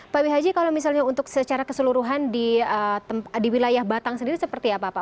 pak wihaji kalau misalnya untuk secara keseluruhan di wilayah batang sendiri seperti apa pak